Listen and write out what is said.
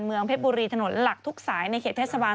เพชรบุรีถนนหลักทุกสายในเขตเทศบาล